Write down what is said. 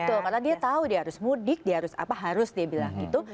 betul karena dia tahu dia harus mudik dia harus apa harus dia bilang gitu